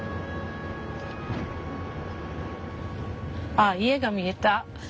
あっ家が見えた。